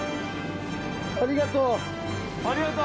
ありがとう。